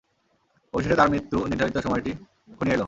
অবশেষে তাঁর মৃত্যুর নির্ধারিত সময়টি ঘনিয়ে এল।